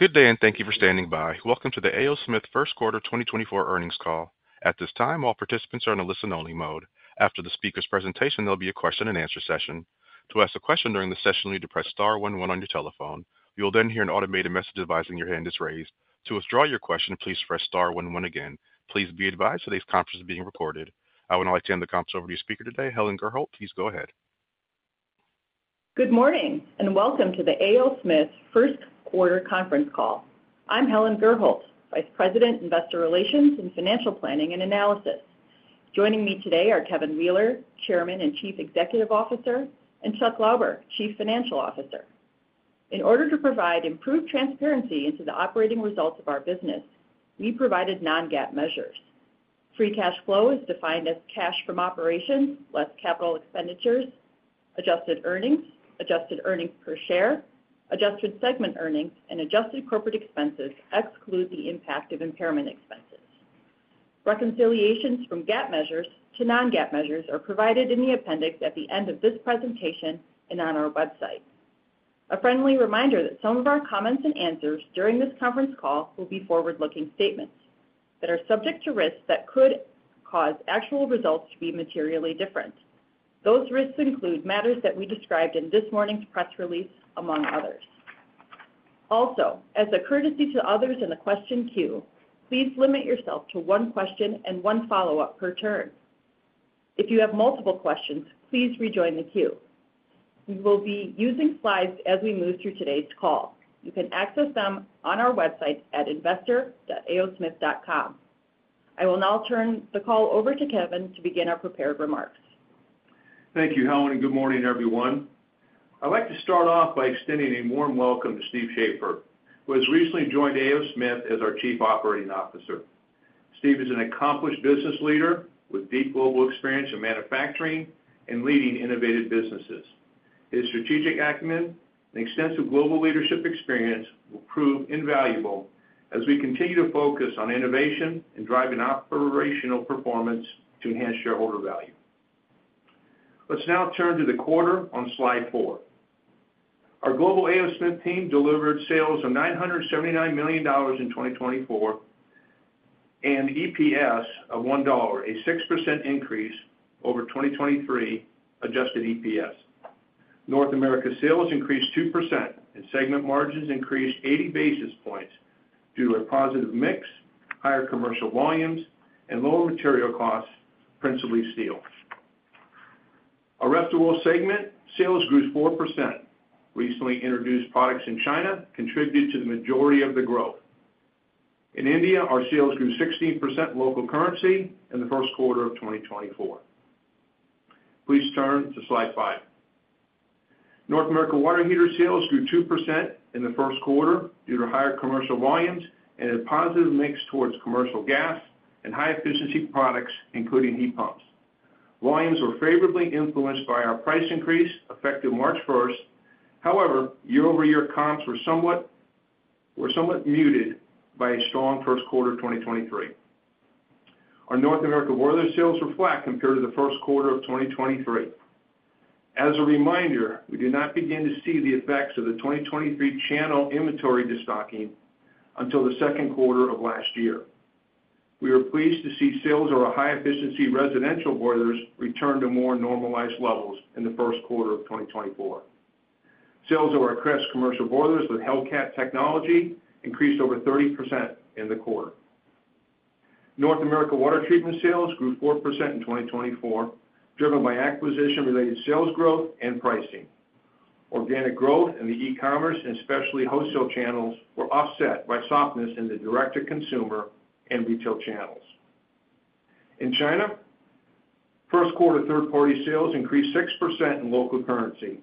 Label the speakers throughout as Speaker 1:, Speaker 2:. Speaker 1: Good day, and thank you for standing by. Welcome to the A. O. Smith first quarter 2024 earnings call. At this time, all participants are in a listen-only mode. After the speaker's presentation, there'll be a question-and-answer session. To ask a question during the session, you need to press star one one on your telephone. You'll then hear an automated message advising your hand is raised. To withdraw your question, please press star one one again. Please be advised today's conference is being recorded. I would now like to hand the conference over to your speaker today, Helen Gurholt. Please go ahead.
Speaker 2: Good morning, and welcome to the A. O. Smith First Quarter conference call. I'm Helen Gurholt, Vice President, Investor Relations and Financial Planning and Analysis. Joining me today are Kevin Wheeler, Chairman and Chief Executive Officer, and Chuck Lauber, Chief Financial Officer. In order to provide improved transparency into the operating results of our business, we provided non-GAAP measures. Free cash flow is defined as cash from operations, less capital expenditures. Adjusted earnings, adjusted earnings per share, adjusted segment earnings, and adjusted corporate expenses exclude the impact of impairment expenses. Reconciliations from GAAP measures to non-GAAP measures are provided in the appendix at the end of this presentation and on our website. A friendly reminder that some of our comments and answers during this conference call will be forward-looking statements that are subject to risks that could cause actual results to be materially different. Those risks include matters that we described in this morning's press release, among others. Also, as a courtesy to others in the question queue, please limit yourself to one question and one follow-up per turn. If you have multiple questions, please rejoin the queue. We will be using slides as we move through today's call. You can access them on our website at investor.aosmith.com. I will now turn the call over to Kevin to begin our prepared remarks.
Speaker 3: Thank you, Helen, and good morning, everyone. I'd like to start off by extending a warm welcome to Steve Schaefer, who has recently joined A. O. Smith as our Chief Operating Officer. Steve is an accomplished business leader with deep global experience in manufacturing and leading innovative businesses. His strategic acumen and extensive global leadership experience will prove invaluable as we continue to focus on innovation and driving operational performance to enhance shareholder value. Let's now turn to the quarter on slide 4. Our global A. O. Smith team delivered sales of $979 million in 2024, and EPS of $1, a 6% increase over 2023 adjusted EPS. North America sales increased 2%, and segment margins increased 80 basis points due to a positive mix, higher commercial volumes, and lower material costs, principally steel. Our Rest of World segment sales grew 4%. Recently introduced products in China contributed to the majority of the growth. In India, our sales grew 16% local currency in the first quarter of 2024. Please turn to slide 5. North America water heater sales grew 2% in the first quarter due to higher commercial volumes and a positive mix towards commercial gas and high-efficiency products, including heat pumps. Volumes were favorably influenced by our price increase, effective March 1. However, year-over-year comps were somewhat muted by a strong first quarter of 2023. Our North America boiler sales were flat compared to the first quarter of 2023. As a reminder, we did not begin to see the effects of the 2023 channel inventory destocking until the second quarter of last year. We were pleased to see sales of our high-efficiency residential boilers return to more normalized levels in the first quarter of 2024. Sales of our Crest commercial boilers with Hellcat technology increased over 30% in the quarter. North America water treatment sales grew 4% in 2024, driven by acquisition-related sales growth and pricing. Organic growth in the e-commerce and specialty wholesale channels were offset by softness in the direct-to-consumer and retail channels. In China, first quarter third-party sales increased 6% in local currency.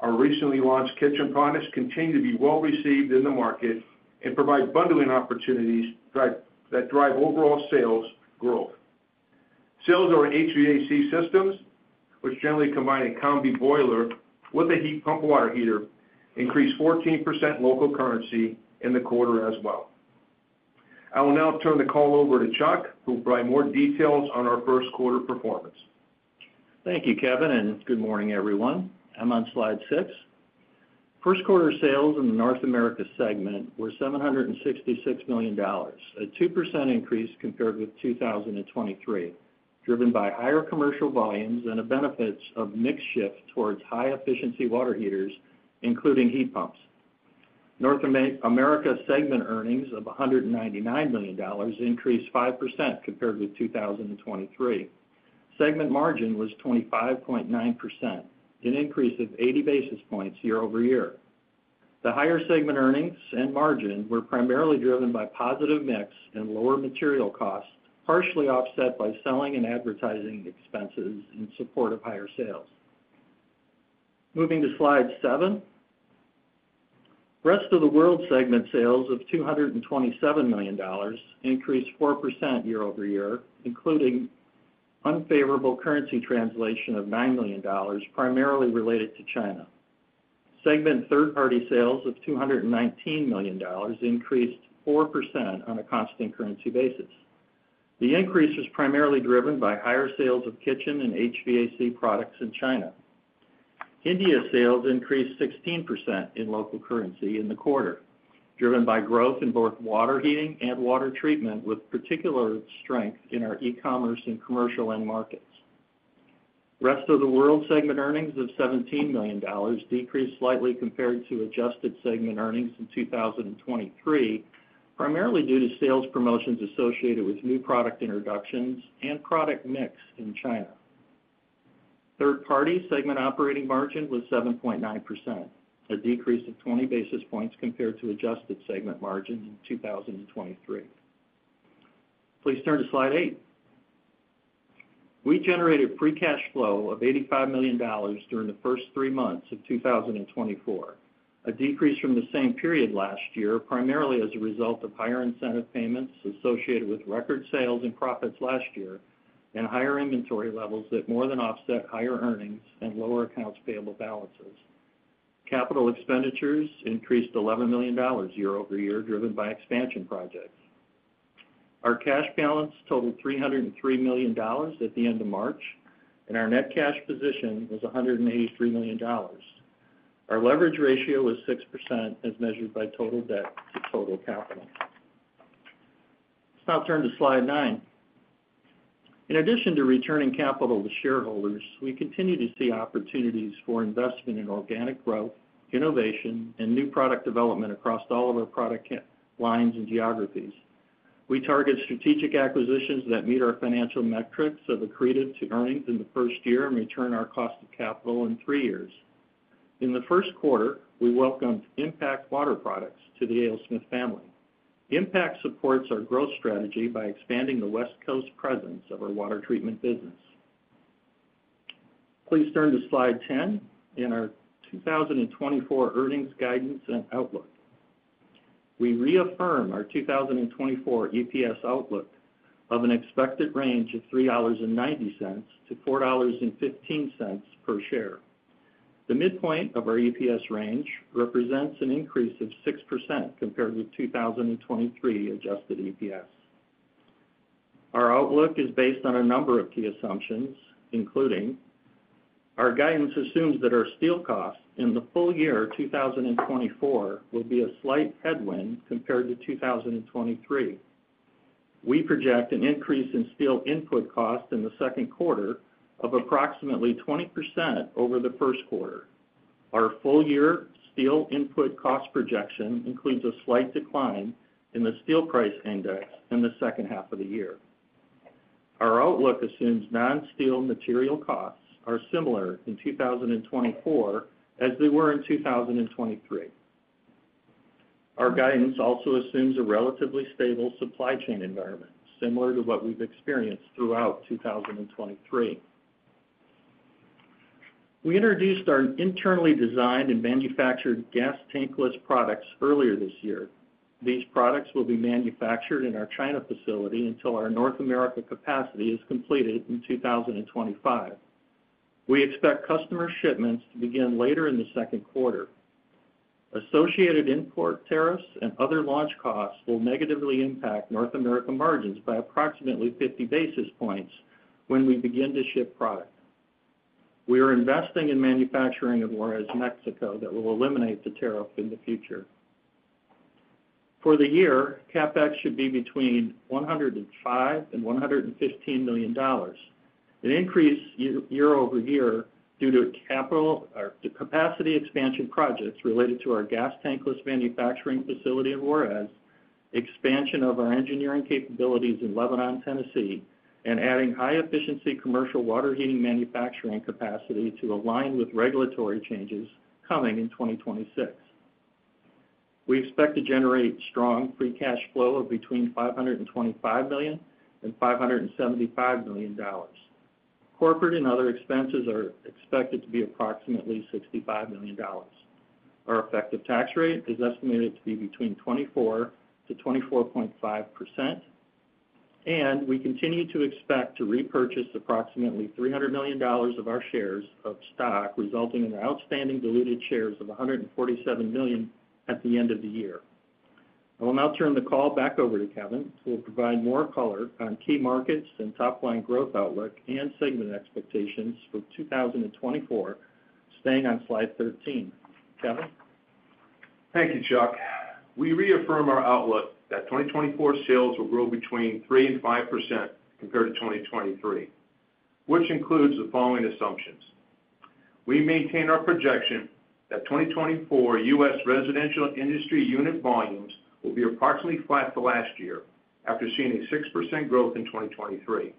Speaker 3: Our recently launched kitchen products continue to be well-received in the market and provide bundling opportunities that drive overall sales growth. Sales of our HVAC systems, which generally combine a combi boiler with a heat pump water heater, increased 14% local currency in the quarter as well. I will now turn the call over to Chuck, who will provide more details on our first quarter performance.
Speaker 4: Thank you, Kevin, and good morning, everyone. I'm on slide six. First quarter sales in the North America segment were $766 million, a 2% increase compared with 2023, driven by higher commercial volumes and the benefits of mix shift towards high-efficiency water heaters, including heat pumps. North America segment earnings of $199 million increased 5% compared with 2023. Segment margin was 25.9%, an increase of 80 basis points year-over-year. The higher segment earnings and margin were primarily driven by positive mix and lower material costs, partially offset by selling and advertising expenses in support of higher sales. Moving to slide seven. Rest of World segment sales of $227 million increased 4% year-over-year, including unfavorable currency translation of $9 million, primarily related to China. Segment third-party sales of $219 million increased 4% on a constant currency basis. The increase was primarily driven by higher sales of kitchen and HVAC products in China. India sales increased 16% in local currency in the quarter, driven by growth in both water heating and water treatment, with particular strength in our e-commerce and commercial end markets. Rest of World segment earnings of $17 million decreased slightly compared to adjusted segment earnings in 2023, primarily due to sales promotions associated with new product introductions and product mix in China. Third-party segment operating margin was 7.9%, a decrease of 20 basis points compared to adjusted segment margins in 2023. Please turn to slide 8. We generated free cash flow of $85 million during the first three months of 2024, a decrease from the same period last year, primarily as a result of higher incentive payments associated with record sales and profits last year, and higher inventory levels that more than offset higher earnings and lower accounts payable balances. Capital expenditures increased $11 million year-over-year, driven by expansion projects. Our cash balance totaled $303 million at the end of March, and our net cash position was $183 million. Our leverage ratio was 6%, as measured by total debt to total capital. Let's now turn to slide 9. In addition to returning capital to shareholders, we continue to see opportunities for investment in organic growth, innovation, and new product development across all of our product lines and geographies. We target strategic acquisitions that meet our financial metrics, are accretive to earnings in the first year, and return our cost of capital in 3 years. In the first quarter, we welcomed Impact Water Products to the A. O. Smith family. Impact supports our growth strategy by expanding the West Coast presence of our water treatment business. Please turn to slide 10 in our 2024 earnings guidance and outlook. We reaffirm our 2024 EPS outlook of an expected range of $3.90-$4.15 per share. The midpoint of our EPS range represents an increase of 6% compared with 2023 adjusted EPS. Our outlook is based on a number of key assumptions, including: Our guidance assumes that our steel costs in the full year 2024 will be a slight headwind compared to 2023. We project an increase in steel input costs in the second quarter of approximately 20% over the first quarter. Our full-year steel input cost projection includes a slight decline in the steel price index in the second half of the year. Our outlook assumes non-steel material costs are similar in 2024 as they were in 2023. Our guidance also assumes a relatively stable supply chain environment, similar to what we've experienced throughout 2023. We introduced our internally designed and manufactured gas tankless products earlier this year. These products will be manufactured in our China facility until our North America capacity is completed in 2025. We expect customer shipments to begin later in the second quarter. Associated import tariffs and other launch costs will negatively impact North America margins by approximately 50 basis points when we begin to ship product. We are investing in manufacturing in Juarez, Mexico, that will eliminate the tariff in the future. For the year, CapEx should be between $105 million and $115 million, an increase year-over-year due to capital or the capacity expansion projects related to our gas tankless manufacturing facility in Juarez, expansion of our engineering capabilities in Lebanon, Tennessee, and adding high-efficiency commercial water heating manufacturing capacity to align with regulatory changes coming in 2026. We expect to generate strong free cash flow of between $525 million and $575 million. Corporate and other expenses are expected to be approximately $65 million. Our effective tax rate is estimated to be between 24% to 24.5%, and we continue to expect to repurchase approximately $300 million of our shares of stock, resulting in outstanding diluted shares of 147 million at the end of the year. I will now turn the call back over to Kevin, who will provide more color on key markets and top-line growth outlook and segment expectations for 2024, staying on slide 13. Kevin?
Speaker 3: Thank you, Chuck. We reaffirm our outlook that 2024 sales will grow between 3% and 5% compared to 2023, which includes the following assumptions. We maintain our projection that 2024 U.S. residential industry unit volumes will be approximately flat to last year, after seeing a 6% growth in 2023.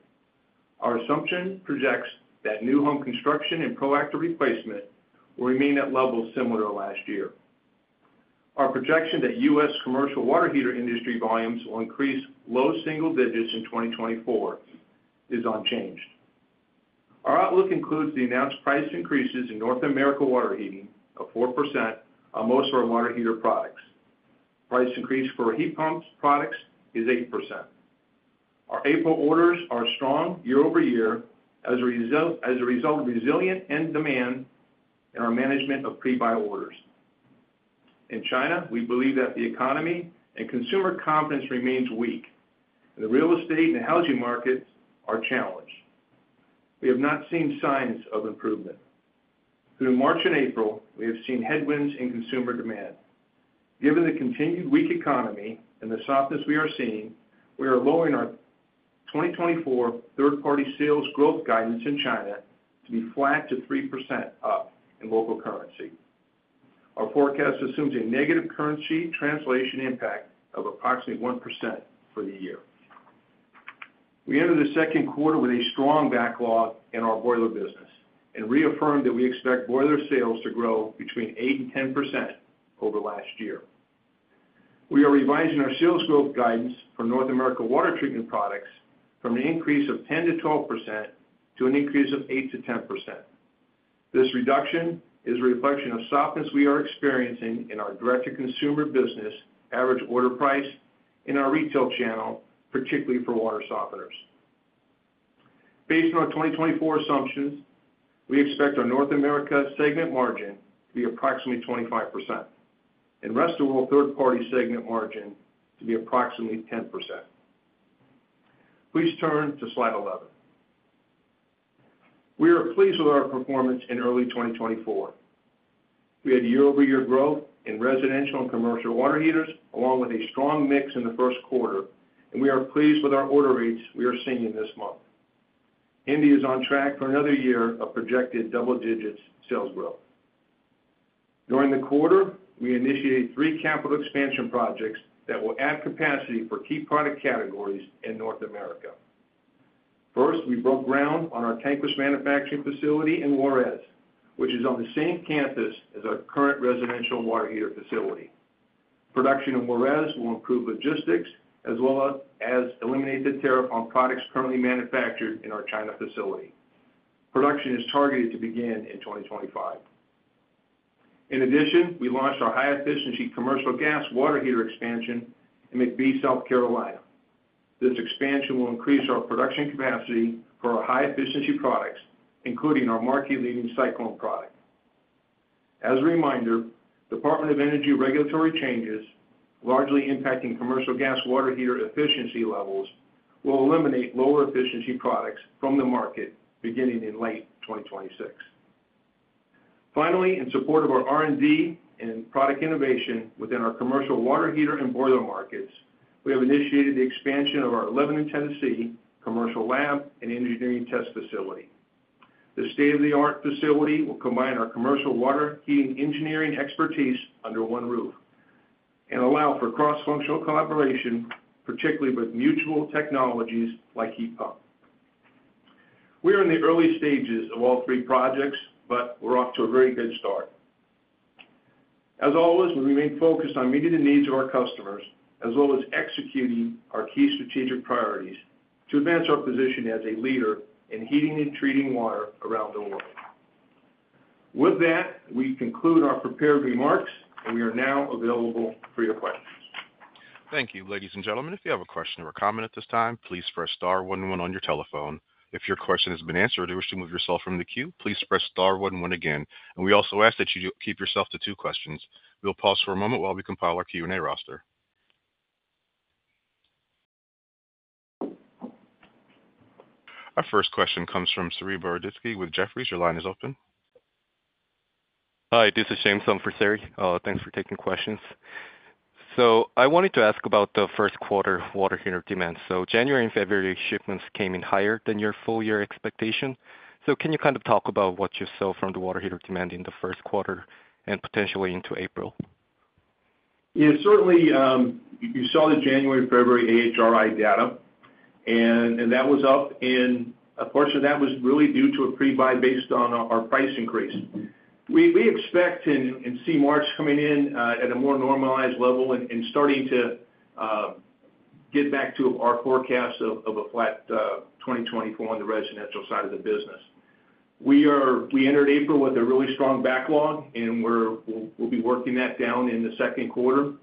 Speaker 3: Our assumption projects that new home construction and proactive replacement will remain at levels similar to last year. Our projection that U.S. commercial water heater industry volumes will increase low single digits in 2024 is unchanged. Our outlook includes the announced price increases in North America water heating of 4% on most of our water heater products. Price increase for heat pump products is 8%. Our April orders are strong year-over-year as a result, as a result of resilient end demand and our management of pre-buy orders. In China, we believe that the economy and consumer confidence remains weak, and the real estate and housing markets are challenged. We have not seen signs of improvement. Through March and April, we have seen headwinds in consumer demand. Given the continued weak economy and the softness we are seeing, we are lowering our 2024 third-party sales growth guidance in China to be flat to 3% up in local currency. Our forecast assumes a negative currency translation impact of approximately 1% for the year. We entered the second quarter with a strong backlog in our boiler business and reaffirmed that we expect boiler sales to grow between 8% and 10% over last year. We are revising our sales growth guidance for North America water treatment products from an increase of 10%-12% to an increase of 8%-10%. This reduction is a reflection of softness we are experiencing in our direct-to-consumer business, average order price in our retail channel, particularly for water softeners. Based on our 2024 assumptions, we expect our North America segment margin to be approximately 25%, and Rest of World third-party segment margin to be approximately 10%. Please turn to slide 11. We are pleased with our performance in early 2024. We had year-over-year growth in residential and commercial water heaters, along with a strong mix in the first quarter, and we are pleased with our order rates we are seeing in this month. India is on track for another year of projected double digits sales growth. During the quarter, we initiated three capital expansion projects that will add capacity for key product categories in North America. First, we broke ground on our tankless manufacturing facility in Juarez, which is on the same campus as our current residential water heater facility. Production in Juarez will improve logistics as well as eliminate the tariff on products currently manufactured in our China facility. Production is targeted to begin in 2025. In addition, we launched our high-efficiency commercial gas water heater expansion in McBee, South Carolina. This expansion will increase our production capacity for our high-efficiency products, including our market-leading Cyclone product. As a reminder, Department of Energy regulatory changes, largely impacting commercial gas water heater efficiency levels, will eliminate lower efficiency products from the market beginning in late 2026. Finally, in support of our R&D and product innovation within our commercial water heater and boiler markets, we have initiated the expansion of our Lebanon, Tennessee, commercial lab and engineering test facility. This state-of-the-art facility will combine our commercial water heating engineering expertise under one roof and allow for cross-functional collaboration, particularly with mutual technologies like heat pump. We are in the early stages of all three projects, but we're off to a very good start. As always, we remain focused on meeting the needs of our customers, as well as executing our key strategic priorities to advance our position as a leader in heating and treating water around the world. With that, we conclude our prepared remarks and we are now available for your questions.
Speaker 1: Thank you. Ladies and gentlemen, if you have a question or comment at this time, please press star one, one on your telephone. If your question has been answered, or wish to move yourself from the queue, please press star one, one again, and we also ask that you keep yourself to two questions. We'll pause for a moment while we compile our Q&A roster. Our first question comes from Saree Boroditsky with Jefferies. Your line is open.
Speaker 5: Hi, this is James on for Saree. Thanks for taking questions. I wanted to ask about the first quarter water heater demand. January and February shipments came in higher than your full year expectation. Can you kind of talk about what you saw from the water heater demand in the first quarter and potentially into April?
Speaker 3: Yeah, certainly, you saw the January, February AHRI data, and that was up, and a portion of that was really due to a pre-buy based on our price increase. We expect and see March coming in at a more normalized level and starting to get back to our forecast of a flat 2024 on the residential side of the business. We entered April with a really strong backlog, and we'll be working that down in the second quarter.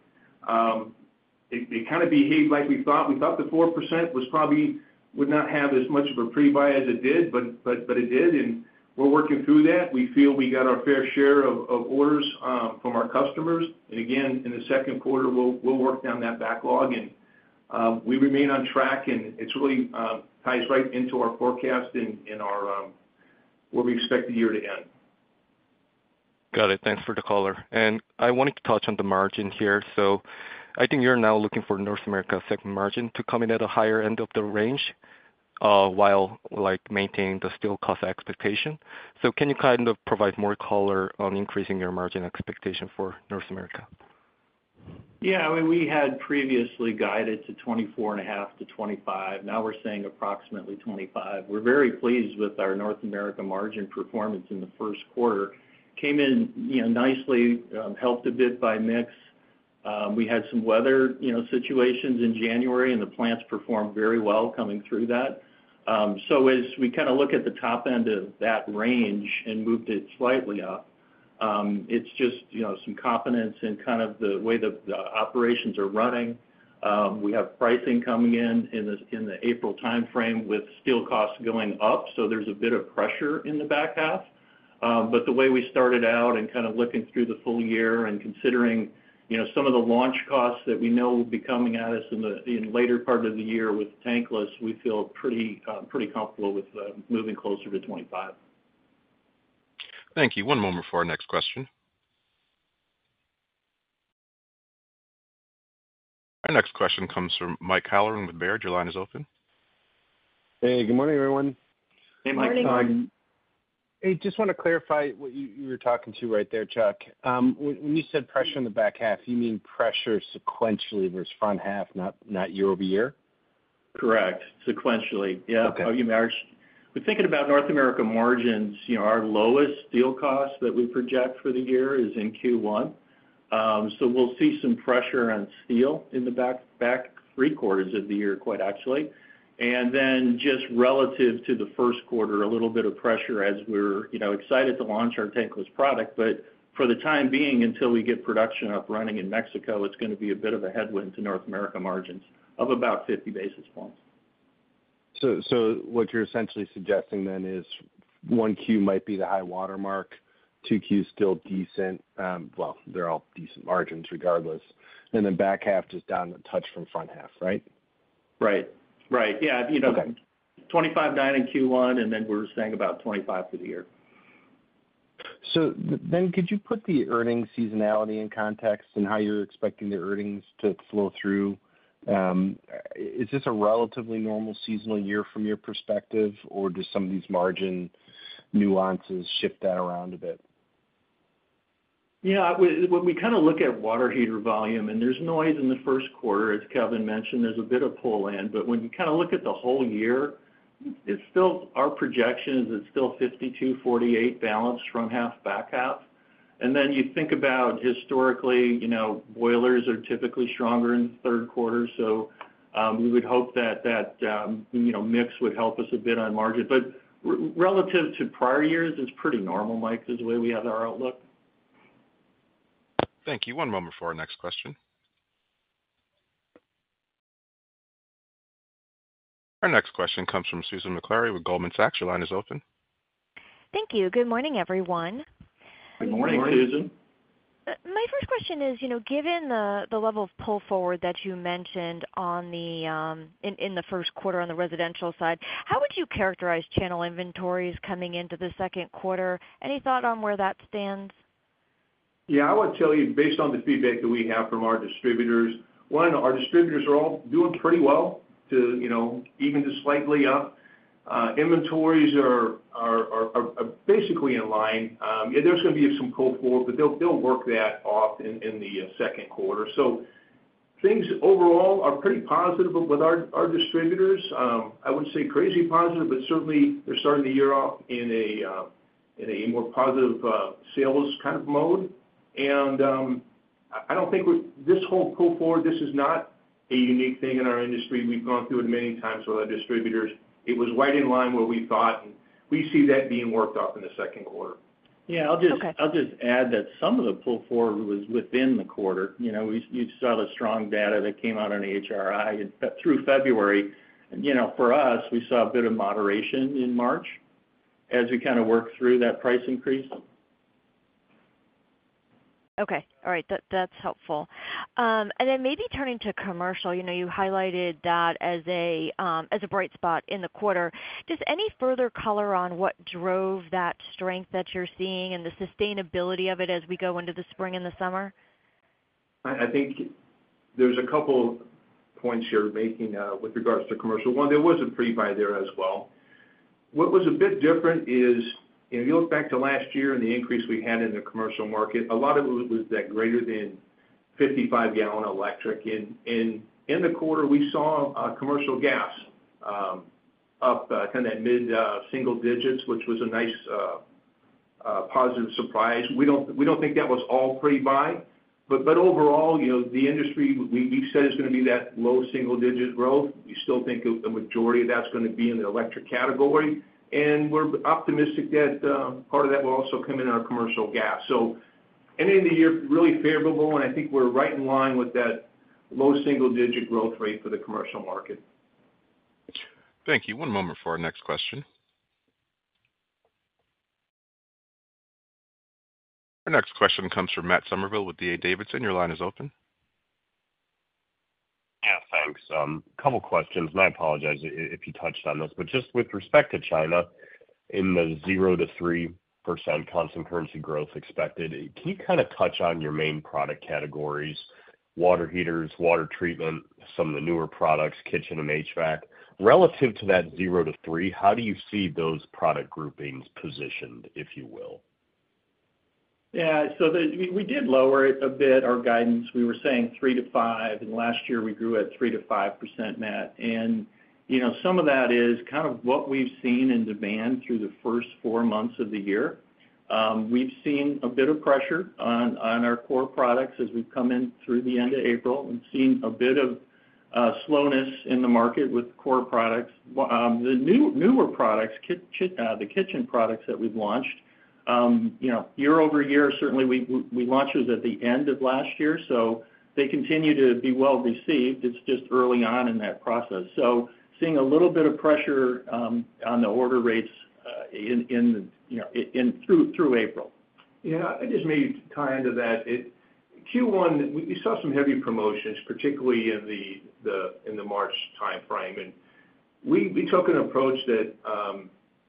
Speaker 3: It kind of behaved like we thought. We thought the 4% was probably would not have as much of a pre-buy as it did, but it did, and we're working through that. We feel we got our fair share of orders from our customers. And again, in the second quarter, we'll work down that backlog and we remain on track, and it's really ties right into our forecast and our where we expect the year to end.
Speaker 5: Got it. Thanks for the color. I wanted to touch on the margin here. I think you're now looking for North America segment margin to come in at a higher end of the range, while, like, maintaining the steel cost expectation. So can you kind of provide more color on increasing your margin expectation for North America?
Speaker 4: Yeah, I mean, we had previously guided to 24.5-25. Now we're saying approximately 25. We're very pleased with our North America margin performance in the first quarter. Came in, you know, nicely, helped a bit by mix. We had some weather, you know, situations in January, and the plants performed very well coming through that. So as we kind of look at the top end of that range and moved it slightly up, it's just, you know, some confidence in kind of the way the, the operations are running. We have pricing coming in the April time frame with steel costs going up, so there's a bit of pressure in the back half. But the way we started out and kind of looking through the full year and considering, you know, some of the launch costs that we know will be coming at us in the later part of the year with tankless, we feel pretty comfortable with moving closer to 25.
Speaker 1: Thank you. One moment for our next question. Our next question comes from Mike Halloran with Baird. Your line is open.
Speaker 6: Hey, good morning, everyone.
Speaker 4: Hey, Mike.
Speaker 3: Good morning.
Speaker 6: I just want to clarify what you were talking to right there, Chuck. When you said pressure in the back half, you mean pressure sequentially versus front half, not year-over-year?
Speaker 4: Correct. Sequentially. Yeah.
Speaker 6: Okay. How do you manage?
Speaker 4: We're thinking about North America margins, you know, our lowest steel cost that we project for the year is in Q1. So we'll see some pressure on steel in the back three quarters of the year, quite actually. And then just relative to the first quarter, a little bit of pressure as we're, you know, excited to launch our tankless product. But for the time being, until we get production up running in Mexico, it's gonna be a bit of a headwind to North America margins of about 50 basis points.
Speaker 6: So what you're essentially suggesting then is 1Q might be the high watermark, 2Q is still decent. Well, they're all decent margins regardless, and then back half just down a touch from front half, right?
Speaker 4: Right. Right. Yeah, you know-
Speaker 6: Okay.
Speaker 4: 25.9 in Q1, and then we're saying about 25 for the year.
Speaker 6: So then could you put the earnings seasonality in context and how you're expecting the earnings to flow through? Is this a relatively normal seasonal year from your perspective, or do some of these margin nuances shift that around a bit?
Speaker 4: Yeah, when we kind of look at water heater volume, and there's noise in the first quarter, as Kevin mentioned, there's a bit of pull-in, but when you kind of look at the whole year, it's still our projection is it's still 52-48 balance from half, back half. And then you think about historically, you know, boilers are typically stronger in the third quarter, so we would hope that that, you know, mix would help us a bit on margin. But relative to prior years, it's pretty normal, Mike, is the way we have our outlook.
Speaker 1: Thank you. One moment for our next question. Our next question comes from Susan Maklari with Goldman Sachs. Your line is open.
Speaker 7: Thank you. Good morning, everyone.
Speaker 4: Good morning, Susan.
Speaker 3: Good morning.
Speaker 7: My first question is, you know, given the level of pull forward that you mentioned in the first quarter on the residential side, how would you characterize channel inventories coming into the second quarter? Any thought on where that stands?
Speaker 3: Yeah, I would tell you, based on the feedback that we have from our distributors, our distributors are all doing pretty well too, you know, even just slightly up. Inventories are basically in line. There's gonna be some pull forward, but they'll work that off in the second quarter. So things overall are pretty positive with our distributors. I wouldn't say crazy positive, but certainly they're starting the year off in a more positive sales kind of mode. And I don't think with this whole pull forward, this is not a unique thing in our industry. We've gone through it many times with our distributors. It was right in line where we thought, and we see that being worked off in the second quarter.
Speaker 7: Okay.
Speaker 4: Yeah, I'll just add that some of the pull forward was within the quarter. You know, you saw the strong data that came out on AHRI through February. You know, for us, we saw a bit of moderation in March as we kind of worked through that price increase.
Speaker 7: Okay. All right, that's helpful. And then maybe turning to commercial, you know, you highlighted that as a bright spot in the quarter. Just any further color on what drove that strength that you're seeing and the sustainability of it as we go into the spring and the summer?
Speaker 3: I think there's a couple points you're making with regards to commercial. One, there was a pre-buy there as well. What was a bit different is if you look back to last year and the increase we had in the commercial market, a lot of it was that greater than 55 gallon electric. In the quarter, we saw commercial gas up kind of mid single digits, which was a nice positive surprise. We don't think that was all pre-buy, but overall, you know, the industry, we said it's gonna be that low single digit growth. We still think of the majority of that's gonna be in the electric category, and we're optimistic that part of that will also come in our commercial gas. Ending the year, really favorable, and I think we're right in line with that low single-digit growth rate for the commercial market.
Speaker 1: Thank you. One moment for our next question. Our next question comes from Matt Summerville with D.A. Davidson. Your line is open.
Speaker 8: Yeah, thanks. A couple questions, and I apologize if you touched on this, but just with respect to China, in the 0%-3% constant currency growth expected, can you kind of touch on your main product categories, water heaters, water treatment, some of the newer products, kitchen and HVAC? Relative to that 0%-3%, how do you see those product groupings positioned, if you will?
Speaker 4: Yeah, so we did lower it a bit, our guidance. We were saying 3-5, and last year we grew at 3%-5%, Matt. And, you know, some of that is kind of what we've seen in demand through the first 4 months of the year. We've seen a bit of pressure on our core products as we've come in through the end of April and seen a bit of slowness in the market with core products. The newer products, the kitchen products that we've launched, you know, year-over-year, certainly we launched this at the end of last year, so they continue to be well received. It's just early on in that process. So seeing a little bit of pressure on the order rates, in you know through April.
Speaker 3: Yeah, I just maybe to tie into that, it—Q1, we saw some heavy promotions, particularly in the March timeframe. And we took an approach that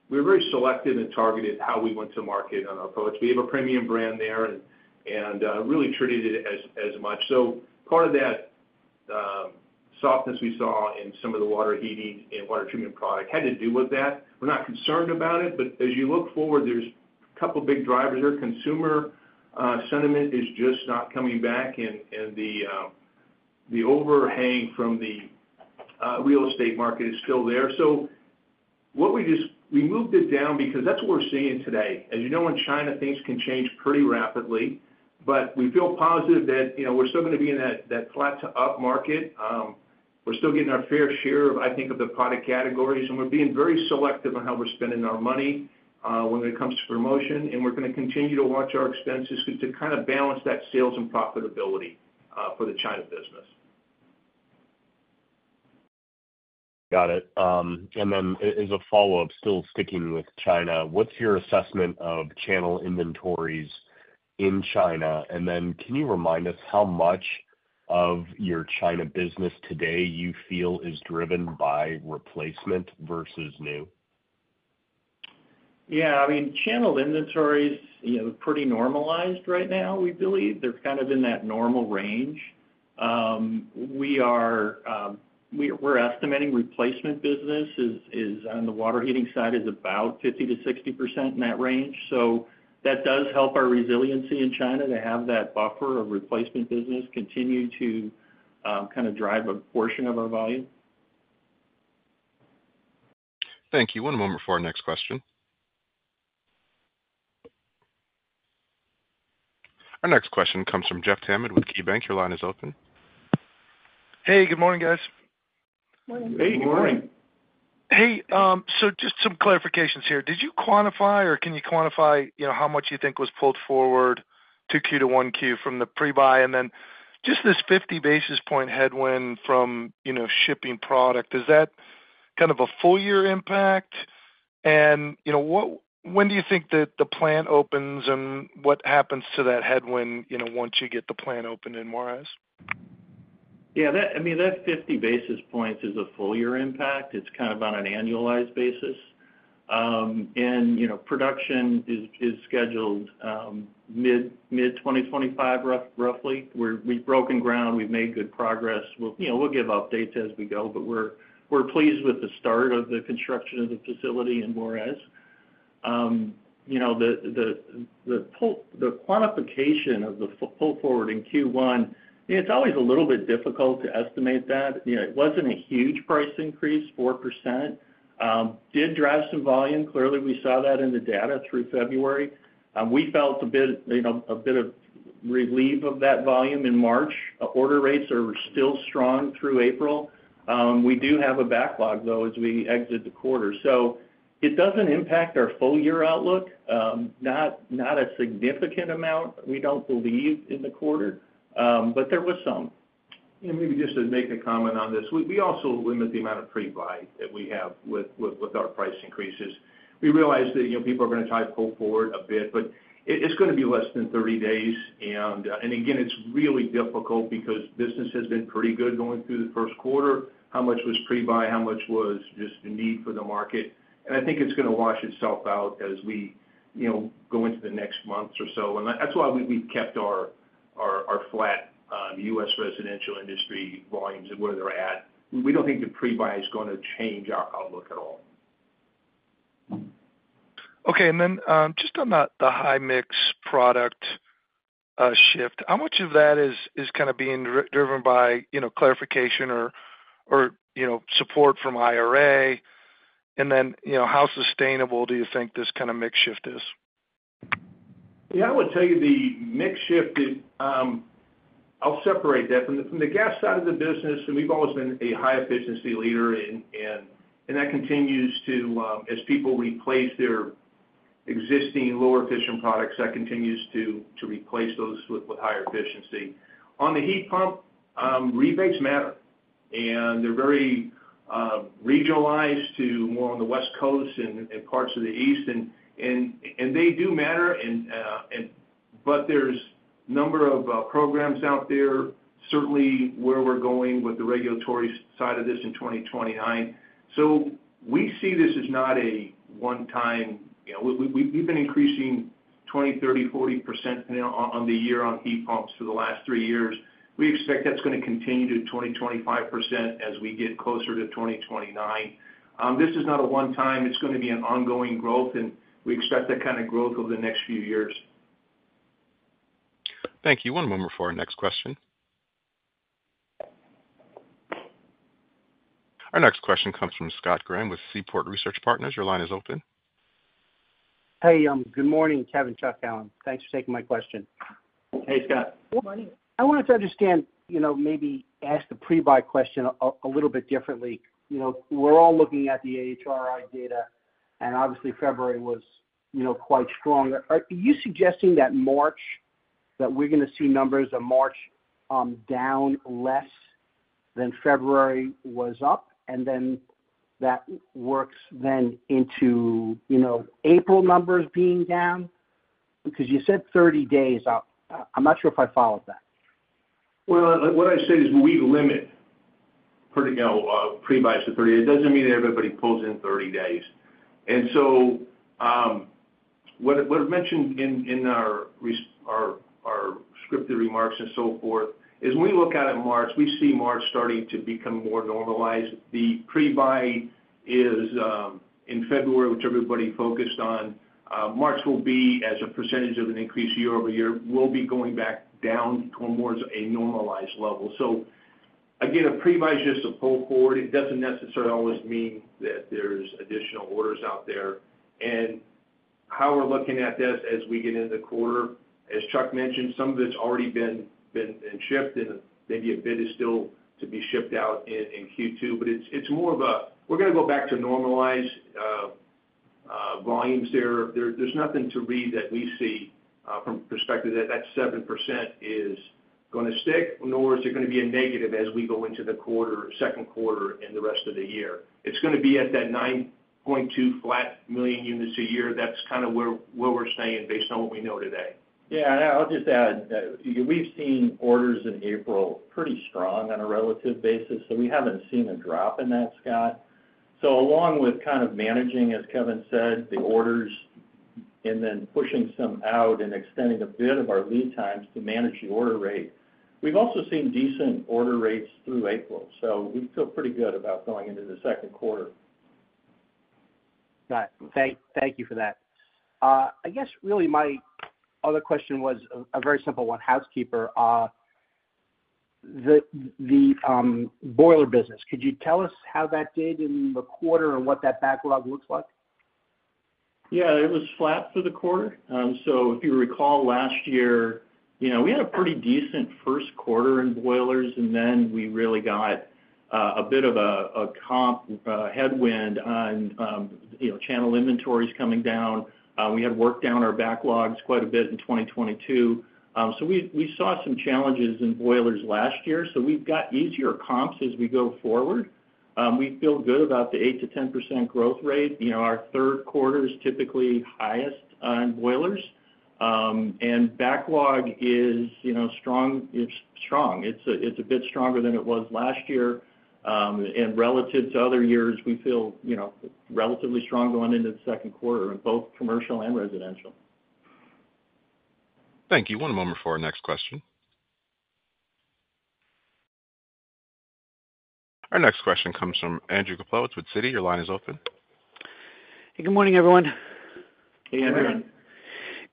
Speaker 3: we were very selective and targeted how we went to market on our approach. We have a premium brand there and really treated it as much. So part of that softness we saw in some of the water heating and water treatment product had to do with that. We're not concerned about it, but as you look forward, there's a couple of big drivers there. Consumer sentiment is just not coming back, and the overhang from the real estate market is still there. So what we—we moved it down because that's what we're seeing today. As you know, in China, things can change pretty rapidly, but we feel positive that, you know, we're still gonna be in that, that flat to up market. We're still getting our fair share, I think, of the product categories, and we're being very selective on how we're spending our money, when it comes to promotion. And we're gonna continue to watch our expenses to kind of balance that sales and profitability, for the China business.
Speaker 8: Got it. And then as a follow-up, still sticking with China, what's your assessment of channel inventories in China? And then can you remind us how much of your China business today you feel is driven by replacement versus new?
Speaker 4: Yeah, I mean, channel inventories, you know, pretty normalized right now, we believe. They're kind of in that normal range. We're estimating replacement business is on the water heating side about 50%-60% in that range. So that does help our resiliency in China to have that buffer of replacement business continue to kind of drive a portion of our volume.
Speaker 1: Thank you. One moment before our next question. Our next question comes from Jeff Hammond with KeyBanc. Your line is open.
Speaker 9: Hey, good morning, guys.
Speaker 4: Morning.
Speaker 3: Hey, good morning.
Speaker 9: Hey, so just some clarifications here. Did you quantify, or can you quantify, you know, how much you think was pulled forward to Q2 from 1Q from the pre-buy? And then just this 50 basis point headwind from, you know, shipping product, is that kind of a full year impact? And, you know, when do you think that the plant opens, and what happens to that headwind, you know, once you get the plant open in Juarez?
Speaker 4: Yeah, that - I mean, that 50 basis points is a full year impact. It's kind of on an annualized basis. And, you know, production is scheduled mid-2025, roughly. We've broken ground. We've made good progress. We'll, you know, we'll give updates as we go, but we're pleased with the start of the construction of the facility in Juarez. You know, the quantification of the pull forward in Q1, it's always a little bit difficult to estimate that. You know, it wasn't a huge price increase, 4%. Did drive some volume. Clearly, we saw that in the data through February. We felt a bit, you know, a bit of relief of that volume in March. Order rates are still strong through April. We do have a backlog, though, as we exit the quarter. So it doesn't impact our full-year outlook, not, not a significant amount, we don't believe in the quarter, but there was some.
Speaker 3: Maybe just to make a comment on this, we also limit the amount of pre-buy that we have with our price increases. We realize that, you know, people are gonna try to pull forward a bit, but it's gonna be less than 30 days. And again, it's really difficult because business has been pretty good going through the first quarter. How much was pre-buy? How much was just the need for the market? And I think it's gonna wash itself out as we, you know, go into the next months or so. And that's why we've kept our flat US residential industry volumes where they're at. We don't think the pre-buy is gonna change our outlook at all.
Speaker 9: Okay. And then, just on the high mix product shift, how much of that is kind of being driven by, you know, clarification or support from IRA? And then, you know, how sustainable do you think this kind of mix shift is?
Speaker 3: Yeah, I would tell you the mix shift is. I'll separate that from the gas side of the business, and we've always been a high-efficiency leader, and that continues to, as people replace their existing lower-efficiency products, that continues to replace those with higher-efficiency. On the heat pump, rebates matter, and they're very regionalized to more on the West Coast and parts of the East, and they do matter and—but there's a number of programs out there, certainly where we're going with the regulatory side of this in 2029. So we see this as not a one-time. You know, we, we've been increasing 20%, 30%, 40% on the year on heat pumps for the last three years. We expect that's gonna continue to 20-25% as we get closer to 2029. This is not a one-time. It's gonna be an ongoing growth, and we expect that kind of growth over the next few years.
Speaker 1: Thank you. One moment before our next question. Our next question comes from Scott Graham with Seaport Research Partners. Your line is open.
Speaker 10: Hey, good morning, Kevin, Chuck, Helen. Thanks for taking my question.
Speaker 3: Hey, Scott.
Speaker 10: I wanted to understand, you know, maybe ask the pre-buy question a little bit differently. You know, we're all looking at the AHRI data, and obviously, February was, you know, quite strong. Are you suggesting that March, that we're gonna see numbers of March down less than February was up, and then that works then into, you know, April numbers being down? Because you said 30 days out. I'm not sure if I followed that.
Speaker 3: Well, what I said is we limit pretty, you know, pre-buys to 30. It doesn't mean everybody pulls in 30 days. And so, what I mentioned in our scripted remarks and so forth, is when we look out at March, we see March starting to become more normalized. The pre-buy is in February, which everybody focused on. March will be, as a percentage of an increase year-over-year, will be going back down towards a normalized level. So again, a pre-buy is just a pull forward. It doesn't necessarily always mean that there's additional orders out there. How we're looking at this as we get into the quarter, as Chuck mentioned, some of it's already been shipped, and maybe a bit is still to be shipped out in Q2, but it's more of a, we're gonna go back to normalized volumes there. There's nothing to read that we see from perspective that seven percent is gonna stick, nor is it gonna be a negative as we go into the quarter, second quarter and the rest of the year. It's gonna be at that 9.2 flat million units a year. That's kind of where we're staying based on what we know today.
Speaker 4: Yeah, and I'll just add that we've seen orders in April pretty strong on a relative basis, so we haven't seen a drop in that, Scott. So along with kind of managing, as Kevin said, the orders and then pushing some out and extending a bit of our lead times to manage the order rate, we've also seen decent order rates through April, so we feel pretty good about going into the second quarter.
Speaker 10: Got it. Thank you for that. I guess really my other question was a very simple one, housekeeping. The boiler business, could you tell us how that did in the quarter and what that backlog looks like?
Speaker 4: Yeah, it was flat for the quarter. So if you recall last year, you know, we had a pretty decent first quarter in boilers, and then we really got a bit of a comp headwind on, you know, channel inventories coming down. We had worked down our backlogs quite a bit in 2022. So we saw some challenges in boilers last year, so we've got easier comps as we go forward. We feel good about the 8%-10% growth rate. You know, our third quarter is typically highest on boilers. And backlog is, you know, strong. It's strong. It's a bit stronger than it was last year. And relative to other years, we feel, you know, relatively strong going into the second quarter in both commercial and residential.
Speaker 1: Thank you. One moment for our next question. Our next question comes from Andrew Kaplowitz with Citi. Your line is open.
Speaker 11: Hey, good morning, everyone.
Speaker 3: Good morning.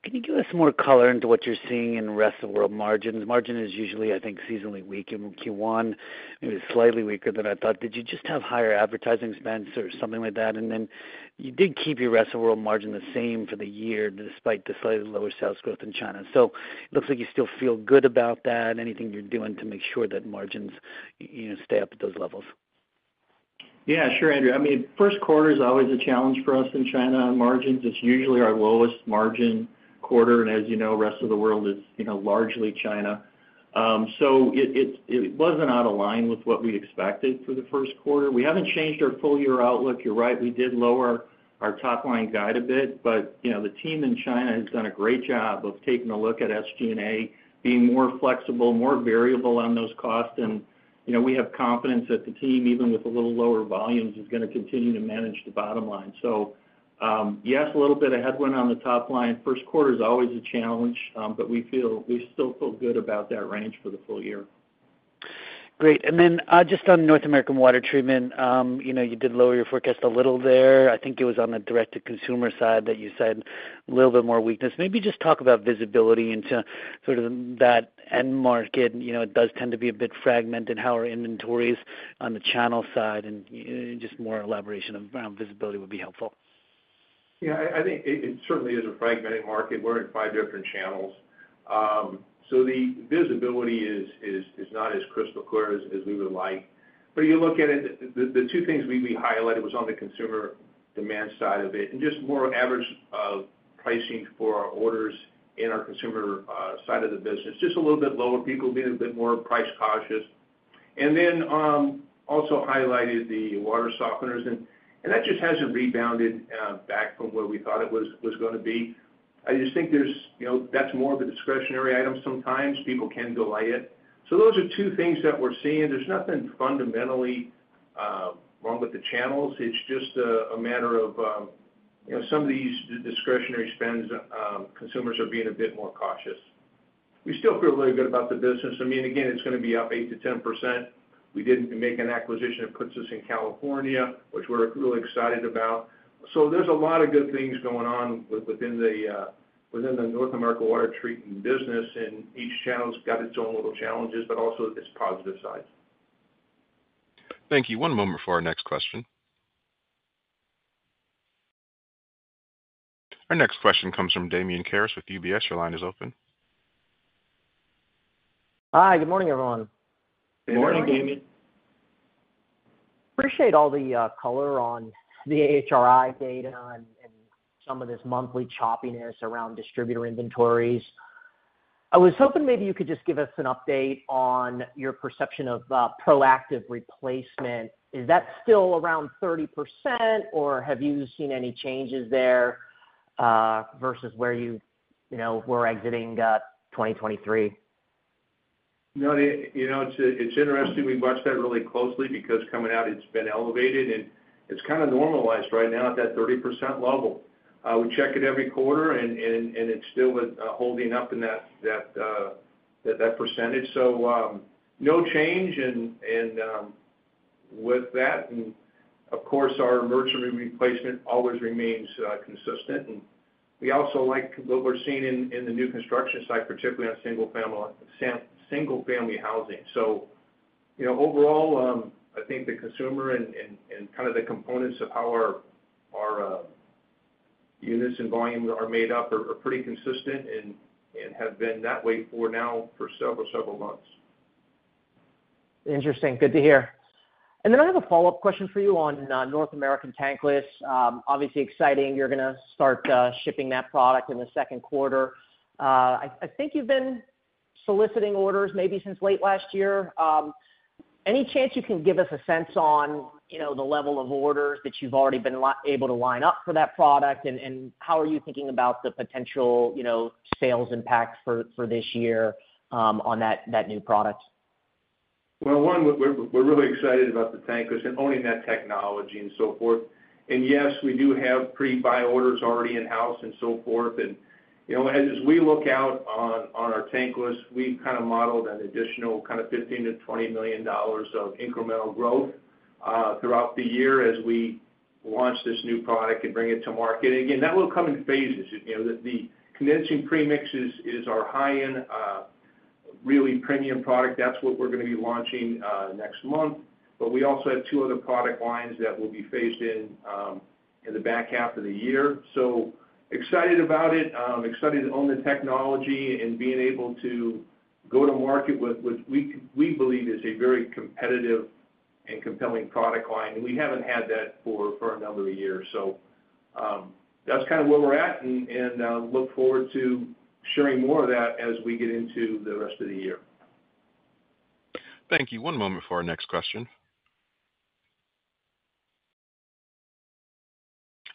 Speaker 4: Hey, Andrew.
Speaker 11: Can you give us more color into what you're seeing in Rest of World margins? Margin is usually, I think, seasonally weak in Q1. It was slightly weaker than I thought. Did you just have higher advertising spends or something like that? And then you did keep your Rest of World margin the same for the year, despite the slightly lower sales growth in China. So looks like you still feel good about that. Anything you're doing to make sure that margins, you know, stay up at those levels?
Speaker 4: Yeah, sure, Andrew. I mean, first quarter is always a challenge for us in China on margins. It's usually our lowest margin quarter, and as you know, Rest of World is, you know, largely China. So it wasn't out of line with what we expected for the first quarter. We haven't changed our full year outlook. You're right, we did lower our top line guide a bit, but, you know, the team in China has done a great job of taking a look at SG&A, being more flexible, more variable on those costs, and, you know, we have confidence that the team, even with a little lower volumes, is gonna continue to manage the bottom line. So, yes, a little bit of headwind on the top line. First quarter is always a challenge, but we feel we still feel good about that range for the full year.
Speaker 11: Great. And then, just on North American water treatment, you know, you did lower your forecast a little there. I think it was on the direct-to-consumer side that you said a little bit more weakness. Maybe just talk about visibility into sort of that end market. You know, it does tend to be a bit fragmented, how are inventories on the channel side, and, just more elaboration around visibility would be helpful.
Speaker 3: Yeah, I think it certainly is a fragmented market. We're in five different channels. So the visibility is not as crystal clear as we would like. But you look at it, the two things we highlighted was on the consumer demand side of it and just more average of pricing for our orders in our consumer, side of the business. Just a little bit lower. People being a bit more price cautious. And then, also highlighted the water softeners, and that just hasn't rebounded back from where we thought it was gonna be. I just think there's, you know, that's more of a discretionary item sometimes. People can delay it. So those are two things that we're seeing. There's nothing fundamentally wrong with the channels. It's just a matter of, you know, some of these discretionary spends, consumers are being a bit more cautious. We still feel really good about the business. I mean, again, it's gonna be up 8%-10%. We did make an acquisition that puts us in California, which we're really excited about. So there's a lot of good things going on within the North America water treatment business, and each channel's got its own little challenges, but also its positive sides.
Speaker 1: Thank you. One moment for our next question. Our next question comes from Damian Karas with UBS. Your line is open.
Speaker 12: Hi, good morning, everyone.
Speaker 3: Good morning, Damian.
Speaker 12: Appreciate all the color on the AHRI data and some of this monthly choppiness around distributor inventories. I was hoping maybe you could just give us an update on your perception of proactive replacement. Is that still around 30%, or have you seen any changes there versus where you, you know, were exiting 2023?
Speaker 3: No, you know, it's interesting. We watched that really closely because coming out, it's been elevated, and it's kind of normalized right now at that 30% level. We check it every quarter, and it's still holding up in that percentage. So, no change and with that, and of course, our merchant replacement always remains consistent. And we also like what we're seeing in the new construction site, particularly on single family housing. So, you know, overall, I think the consumer and kind of the components of how our units and volumes are made up are pretty consistent and have been that way for several months.
Speaker 12: Interesting. Good to hear. And then I have a follow-up question for you on North American tankless. Obviously exciting, you're gonna start shipping that product in the second quarter. I think you've been soliciting orders maybe since late last year. Any chance you can give us a sense on, you know, the level of orders that you've already been able to line up for that product? And how are you thinking about the potential, you know, sales impact for this year on that new product?
Speaker 3: Well, one, we're really excited about the tankless and owning that technology and so forth. And yes, we do have pre-buy orders already in-house and so forth. And, you know, as we look out on our tankless, we've kind of modeled an additional kind of $15 million-$20 million of incremental growth throughout the year as we launch this new product and bring it to market. Again, that will come in phases. You know, the condensing premix is our high-end really premium product. That's what we're gonna be launching next month. But we also have two other product lines that will be phased in in the back half of the year. So excited about it, excited to own the technology and being able to go to market with what we believe is a very competitive and compelling product line, and we haven't had that for a number of years. So, that's kind of where we're at, and look forward to sharing more of that as we get into the rest of the year.
Speaker 1: Thank you. One moment for our next question.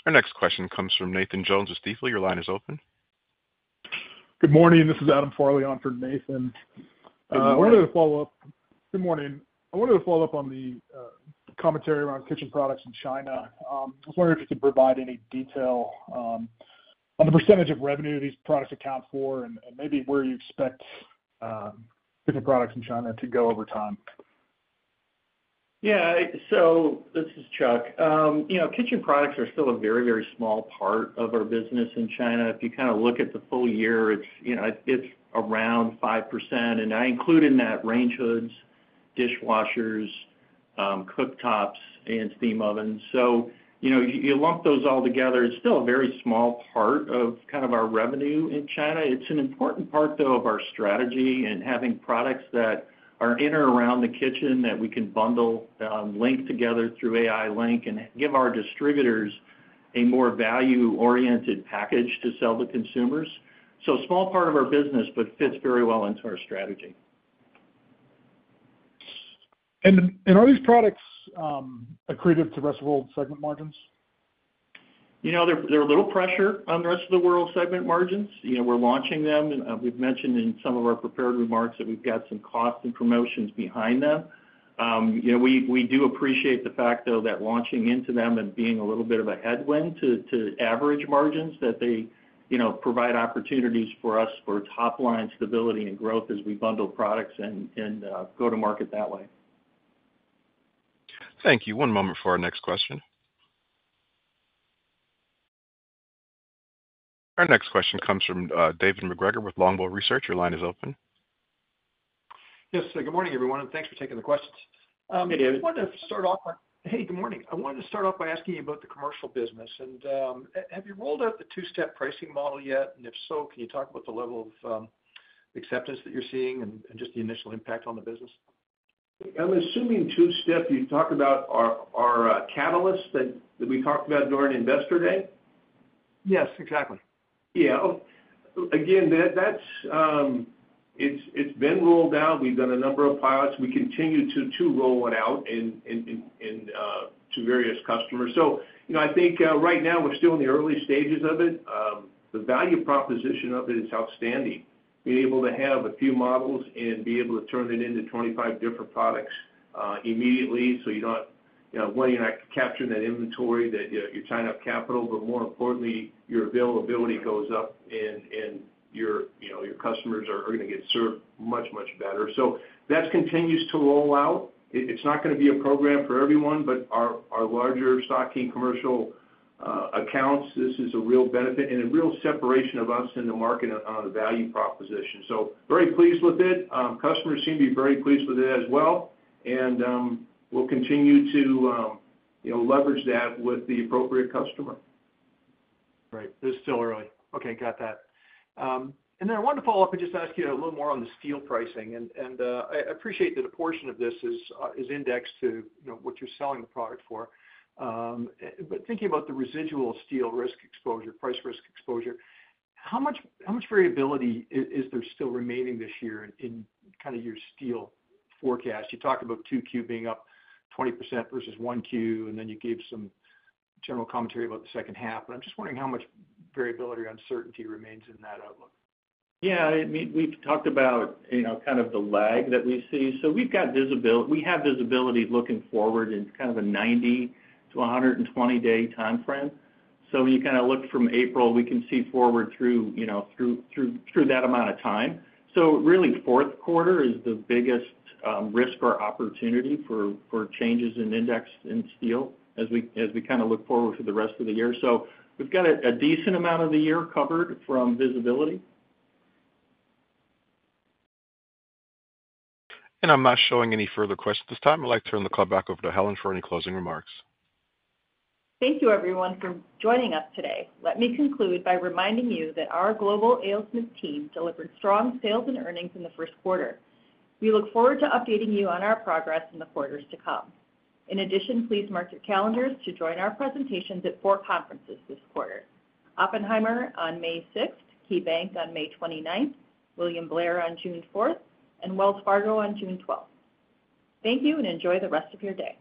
Speaker 1: Our next question comes from Nathan Jones of Stifel. Your line is open.
Speaker 13: Good morning. This is Adam Farley on for Nathan.
Speaker 3: Good morning.
Speaker 13: I wanted to follow up. Good morning. I wanted to follow up on the commentary around kitchen products in China. I was wondering if you could provide any detail on the percentage of revenue these products account for, and maybe where you expect kitchen products in China to go over time.
Speaker 4: Yeah, so this is Chuck. You know, kitchen products are still a very, very small part of our business in China. If you kind of look at the full year, it's, you know, it's around 5%, and I include in that range hoods, dishwashers, cooktops, and steam ovens. So, you know, you, you lump those all together, it's still a very small part of kind of our revenue in China. It's an important part, though, of our strategy and having products that are in and around the kitchen that we can bundle, link together through AI-LiNK, and give our distributors a more value-oriented package to sell to consumers. So a small part of our business, but fits very well into our strategy.
Speaker 13: Are these products accretive to Rest of World segment margins?
Speaker 4: You know, there's a little pressure on the Rest of World segment margins. You know, we're launching them, and we've mentioned in some of our prepared remarks that we've got some costs and promotions behind them. You know, we do appreciate the fact, though, that launching into them and being a little bit of a headwind to average margins, that they, you know, provide opportunities for us for top-line stability and growth as we bundle products and go to market that way.
Speaker 1: Thank you. One moment for our next question. Our next question comes from David MacGregor with Longbow Research. Your line is open.
Speaker 14: Yes, good morning, everyone, and thanks for taking the questions.
Speaker 4: Hey, David.
Speaker 14: Hey, good morning. I wanted to start off by asking you about the commercial business. And have you rolled out the two-step pricing model yet? And if so, can you talk about the level of acceptance that you're seeing and just the initial impact on the business?
Speaker 3: I'm assuming two-step, you talk about our catalysts that we talked about during Investor Day?
Speaker 14: Yes, exactly.
Speaker 3: Yeah. Oh, again, that's it. It's been rolled out. We've done a number of pilots. We continue to roll it out to various customers. So, you know, I think right now we're still in the early stages of it. The value proposition of it is outstanding. Being able to have a few models and be able to turn it into 25 different products immediately, so you're not, you know, one, you're not capturing that inventory that you're tying up capital, but more importantly, your availability goes up and your customers are going to get served much better. So that continues to roll out. It's not gonna be a program for everyone, but our larger stocking commercial accounts, this is a real benefit and a real separation of us in the market on a value proposition. So very pleased with it. Customers seem to be very pleased with it as well, and we'll continue to you know, leverage that with the appropriate customer.
Speaker 14: Right. This is still early. Okay, got that. And then I wanted to follow up and just ask you a little more on the steel pricing. I appreciate that a portion of this is indexed to, you know, what you're selling the product for. But thinking about the residual steel risk exposure, price risk exposure, how much variability is there still remaining this year in kind of your steel forecast? You talked about 2Q being up 20% versus 1Q, and then you gave some general commentary about the second half. But I'm just wondering how much variability or uncertainty remains in that outlook.
Speaker 4: Yeah, I mean, we've talked about, you know, kind of the lag that we see. So we've got visibility looking forward in kind of a 90- to 120-day time frame. So when you kind of look from April, we can see forward through, you know, that amount of time. So really, fourth quarter is the biggest risk or opportunity for changes in index in steel as we kind of look forward to the rest of the year. So we've got a decent amount of the year covered from visibility.
Speaker 1: And I'm not showing any further questions at this time. I'd like to turn the call back over to Helen for any closing remarks.
Speaker 2: Thank you, everyone, for joining us today. Let me conclude by reminding you that our global A. O. Smith team delivered strong sales and earnings in the first quarter. We look forward to updating you on our progress in the quarters to come. In addition, please mark your calendars to join our presentations at four conferences this quarter: Oppenheimer on May 6, KeyBanc on May 29, William Blair on June 4, and Wells Fargo on June 12. Thank you, and enjoy the rest of your day.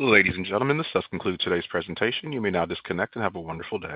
Speaker 1: Ladies and gentlemen, this does conclude today's presentation. You may now disconnect and have a wonderful day.